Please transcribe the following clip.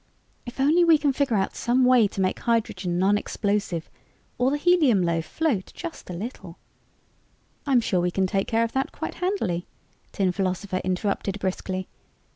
If only we can figure out some way to make hydrogen non explosive or the helium loaf float just a little " "I'm sure we can take care of that quite handily," Tin Philosopher interrupted briskly.